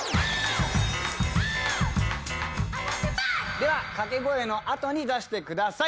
では掛け声の後に出してください